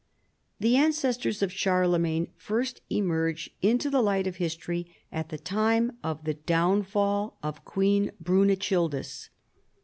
The ancestors of Charlemagne first emerge into the light of history at the time of the downfall of Queen Brunechildis.